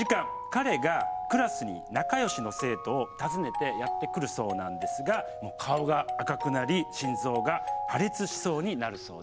彼がクラスに仲よしの生徒を訪ねてやって来るそうなんですがもう顔が赤くなり心臓が破裂しそうになるそうですという。